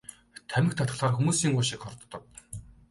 Тамхи татахлаар хүмүүсийн уушиг хордог.